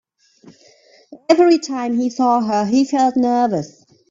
Every time he saw her, he felt nervous.